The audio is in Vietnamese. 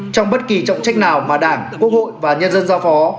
trong bất kỳ trọng trách nào mà đảng quốc hội và nhân dân giao phó